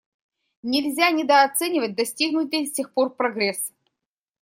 Нельзя недооценивать достигнутый с тех пор прогресс.